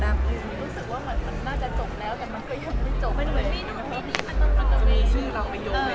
รู้สึกว่ามันน่าจะจบแล้วแต่มันก็ยังไม่จบเลย